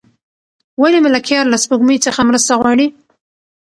ولې ملکیار له سپوږمۍ څخه مرسته غواړي؟